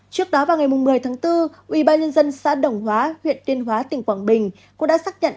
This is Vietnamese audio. trước đó vào ngày một mươi tháng bốn ubnd xã đồng hóa huyện tuyên hóa tỉnh quảng bình cũng đã xác nhận